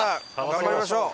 頑張りましょう。